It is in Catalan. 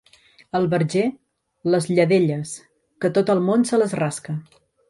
Al Verger, les lladelles, que tot el món se les rasca.